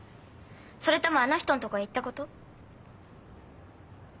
それともあの人のとこへ行ったこと？